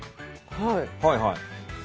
はいはい。